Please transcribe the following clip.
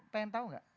pengen tau gak